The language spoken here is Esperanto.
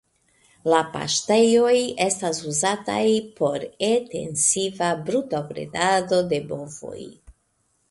La paŝtejoj estas uzataj por etensiva brutobredado de bovoj.